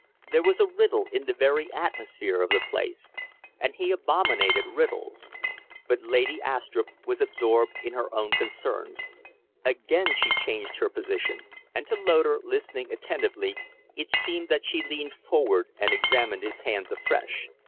There was a riddle in the very atmosphere of the place and he abominated riddles. But Lady Astrupp was absorbed in her own concerns. Again she changed her position; and to Loder, listening attentively, it seemed that she leaned forward and examined his hands afresh.